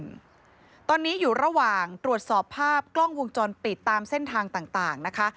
ตอนนี้อยู่ระหว่างตรวจสอบภาพกล้องวงจรปิดตามเส้นทางต่างนะคะ